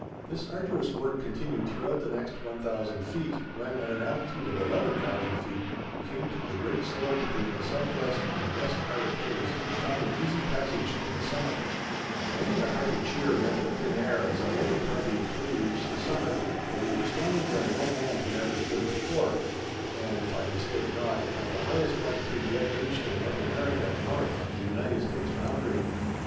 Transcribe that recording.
This arduous work continued throughout the next 1000 feet, when, at an altitude of 11,000 feet, we came to the great slope between the southwest and west arêtes and found an easy passage to the summit. [Illustration: SUMMIT OF MOUNT TEMPLE.] Many a hearty cheer rent the thin air as our little party of three reached the summit, for we were standing where no man had ever stood before, and, if I mistake not, at the highest altitude yet reached in North America north of the United States boundary.